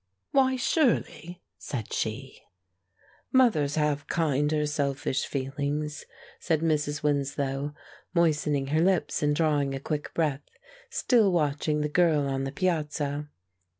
"Why, surely," said she. "Mothers have kinder selfish feelings," said Mrs. Winslow, moistening her lips and drawing a quick breath, still watching the girl on the piazza.